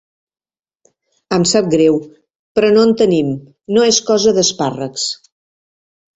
Em sap greu, però no en tenim, no és cosa d'espàrrecs.